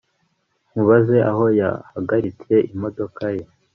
Mubaze aho yahagaritse imodoka ye